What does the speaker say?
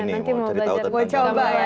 nanti mau belajar gamelan ya